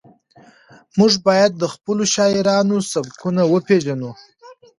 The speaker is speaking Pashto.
موږ باید د خپلو شاعرانو سبکونه وپېژنو.